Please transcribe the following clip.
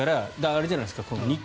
あれじゃないですか。